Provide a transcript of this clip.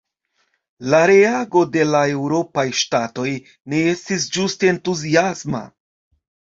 La reago de la eŭropaj ŝtatoj ne estis ĝuste entuziasma.